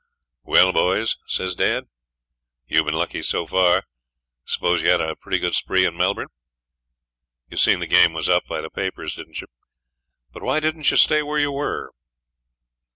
'Well, boys,' says dad, 'you've been lucky so far; suppose you had a pretty good spree in Melbourne? You seen the game was up by the papers, didn't you? But why didn't you stay where you were?'